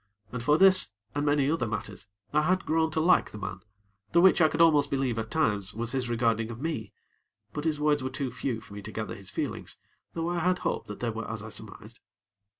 And for this, and many other matters, I had grown to like the man, the which I could almost believe at times, was his regarding of me; but his words were too few for me to gather his feelings; though I had hope that they were as I surmised.